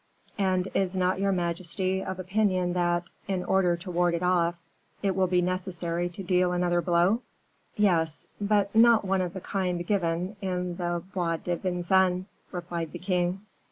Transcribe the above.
"And is not your majesty of opinion that, in order to ward it off, it will be necessary to deal another blow?" "Yes, but not one of the kind given in the Bois de Vincennes," replied the king.